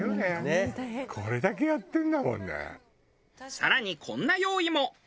更にこんな用意も。